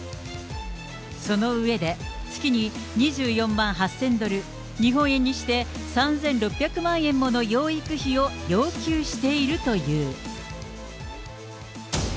その上で、月に２４万８０００ドル、日本円にして３６００万円もの養育費を要求しているという。